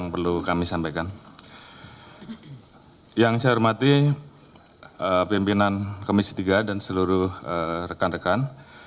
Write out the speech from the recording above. pemimpinan komisi tiga dan seluruh rekan rekan